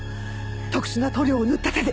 特殊な塗料を塗った手で。